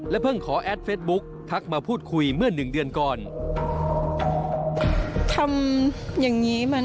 เพิ่งขอแอดเฟสบุ๊คทักมาพูดคุยเมื่อหนึ่งเดือนก่อน